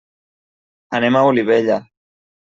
Anem a Olivella.